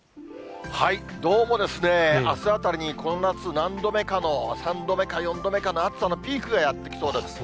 どうも、あすあたりにこの夏何度目かの、３度目か４度目かの暑さのピークがやって来そうです。